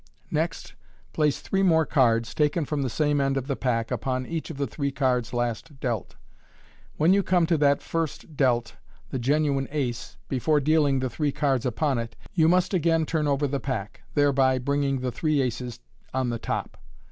Next place three more cards, taken from the same end of the pack, upon each of the three cards last dealt. When you come to that first dealt (the genuine ace), before dealing the three cards upon it, you must again turn over the pack, thereby bringing the three aces on the top.